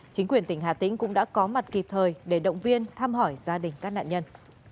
chính quyền tỉnh hà tĩnh cũng đã có mặt kịp thời để động viên thăm hỏi gia đình các nạn nhân